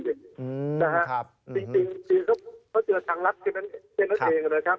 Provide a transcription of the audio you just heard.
จริงเขาเจอทางรับที่นั้นเองนะครับ